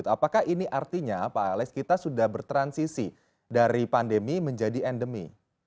apakah ini artinya pak alex kita sudah bertransisi dari pandemi menjadi endemi